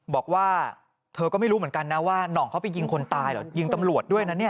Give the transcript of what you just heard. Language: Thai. บอกว่าเธอก็ไม่รู้เหมือนกันนะว่าน่องเขาไปยิงคนตายเหรอยิงตำรวจด้วยนะเนี่ย